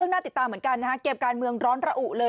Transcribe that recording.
น่าติดตามเหมือนกันนะฮะเกมการเมืองร้อนระอุเลย